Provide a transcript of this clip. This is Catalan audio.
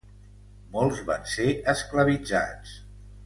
Molts van ser esclavitzats.